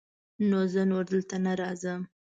نو زه نور دلته نه راځم.